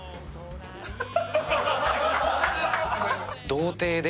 童貞で。